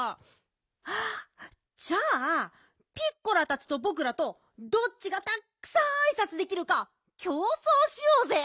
あっじゃあピッコラたちとぼくらとどっちがたっくさんあいさつできるかきょうそうしようぜ。